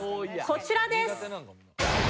こちらです！